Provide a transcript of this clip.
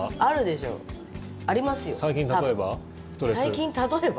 最近、例えば？